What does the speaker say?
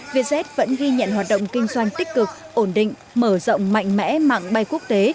vietjet vẫn ghi nhận hoạt động kinh doanh tích cực ổn định mở rộng mạnh mẽ mạng bay quốc tế